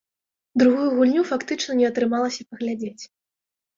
Другую гульню фактычна не атрымалася паглядзець.